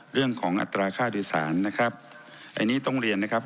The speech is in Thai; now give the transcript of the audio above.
อัตราค่าโดยสารนะครับอันนี้ต้องเรียนนะครับ